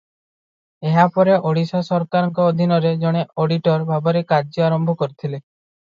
ଏହାପରେ ଓଡ଼ିଶା ସରକାରଙ୍କ ଅଧୀନରେ ଜଣେ ଅଡିଟର ଭାବରେ କାର୍ଯ୍ୟ ଆରମ୍ଭ କରିଥିଲେ ।